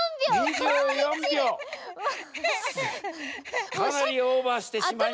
かなりオーバーしてしまいましたね。